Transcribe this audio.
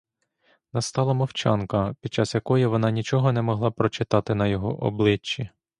Настала мовчанка, під час якої вона нічого не могла прочитати на його обличчі.